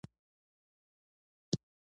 افغانانو ولې درې ځلې له انګریزانو سره جګړې وکړې؟